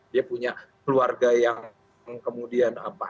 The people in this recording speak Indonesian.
dia punya keluarga yang kemudian apa